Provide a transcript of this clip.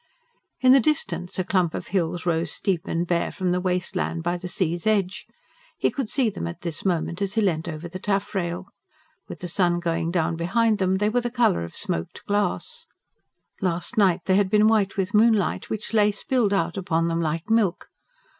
In the distance a clump of hills rose steep and bare from the waste land by the sea's edge he could see them at this moment as he leant over the taffrail: with the sun going down behind them they were the colour of smoked glass. Last night they had been white with moonlight, which lay spilled out upon them like milk.